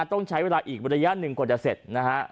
ต้องใช้เวลาอีกระยะหนึ่งกว่าจะเสร็จนะฮะ